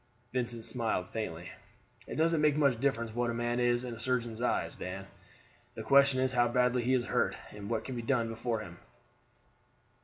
Vincent smiled faintly. "It doesn't make much difference what a man is in a surgeon's eyes, Dan; the question is how badly he is hurt, and what can be done for him?